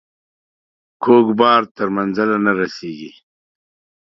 کوږ بار تر منزله نه رارسيږي.